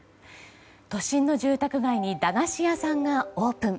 都心の住宅街に駄菓子屋さんがオープン。